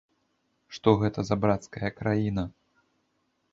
Што гэта за брацкая краіна?